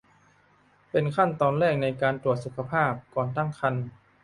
เป็นขั้นตอนแรกในการตรวจสุขภาพก่อนตั้งครรภ์